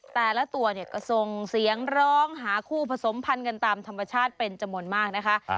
แต่ละตัวเนี่ยก็ส่งเสียงร้องหาคู่ผสมพันธ์กันตามธรรมชาติเป็นจำนวนมากนะคะ